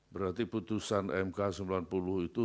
berarti putusan mk sembilan puluh itu